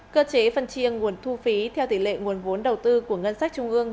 cơ chế phân chiêng nguồn thu phí theo tỷ lệ nguồn vốn đầu tư của ngân sách trung ương